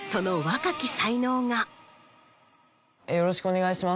よろしくお願いします。